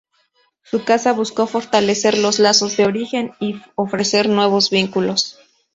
Su casa buscó fortalecer los lazos de origen y ofrecer nuevos vínculos.